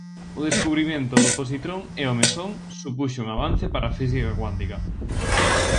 O descubrimento do positrón e o mesón supuxo un avance para a física cuántica.